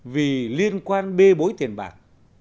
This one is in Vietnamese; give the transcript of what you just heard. vì liên quan bê bối tiền bạc